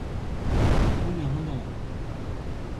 telo li lon sike lukin sina.